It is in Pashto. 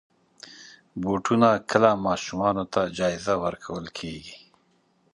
بوټونه کله ماشومانو ته جایزه ورکول کېږي.